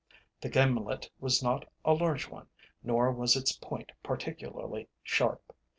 The gimlet was not a large one, nor was its point particularly sharp.